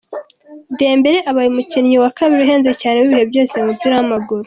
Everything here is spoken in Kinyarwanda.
Dembele abaye umukinnyi wa kabiri uhenze cyane w'ibihe byose mu mupira w'amaguru.